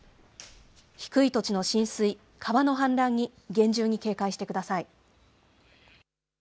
低い土地の浸水、川の氾濫に厳重に警戒してください。